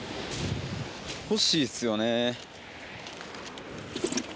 欲しいっすよね。